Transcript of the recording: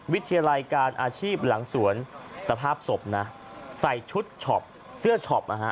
วิทยาลัยการอาชีพหลังสวนสภาพศพนะใส่ชุดช็อปเสื้อช็อปนะฮะ